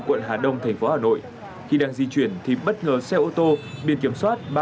quận hà đông thành phố hà nội khi đang di chuyển thì bất ngờ xe ô tô biệt kiểm soát